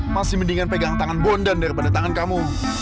masih mendingan pegang tangan bondan daripada tangan kamu